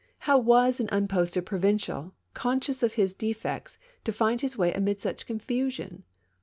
How was an unposted provincial, conscious of his de fects, to find his way amid such a confusion